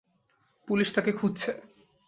Police তাকে খুঁজছে।